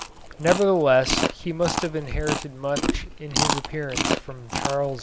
Nevertheless he must have inherited much in his appearance from Charles II.